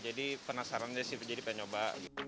jadi penasaran aja sih jadi pengen nyoba